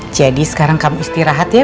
jadi sekarang kamu istirahat ya